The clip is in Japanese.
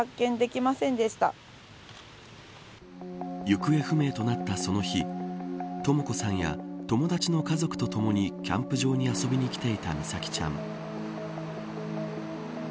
行方不明となったその日とも子さんや友達の家族とともにキャンプ場に遊びに来ていた美咲ちゃん。